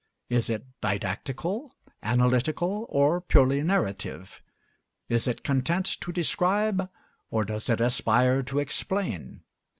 Is it didactical, analytical, or purely narrative? Is it content to describe, or does it aspire to explain?